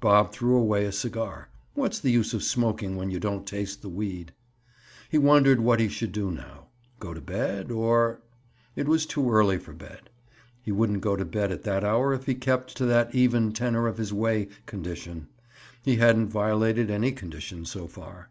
Bob threw away a cigar. What's the use of smoking when you don't taste the weed? He wondered what he should do now? Go to bed, or—? It was too early for bed. He wouldn't go to bed at that hour, if he kept to that even tenor of his way condition. He hadn't violated any condition, so far.